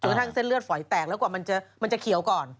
กระทั่งเส้นเลือดฝอยแตกแล้วกว่ามันจะเขียวก่อน